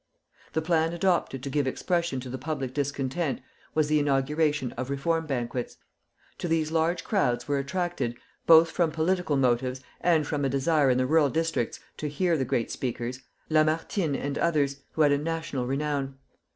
The plan adopted to give expression to the public discontent was the inauguration of reform banquets. To these large crowds were attracted, both from political motives and from a desire in the rural districts to hear the great speakers, Lamartine and others, who had a national renown.